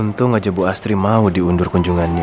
untung aja bu astri mau diundur kunjungannya